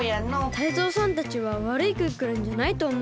タイゾウさんたちはわるいクックルンじゃないとおもうんだ。